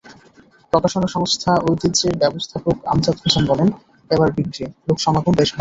প্রকাশনা সংস্থা ঐতিহ্যর ব্যবস্থাপক আমজাদ হোসেন বললেন, এবার বিক্রি, লোকসমাগম বেশ ভালো।